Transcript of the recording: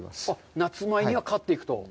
夏前には刈っていくと。